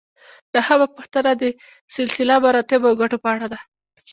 نهمه پوښتنه د سلسله مراتبو او ګټو په اړه ده.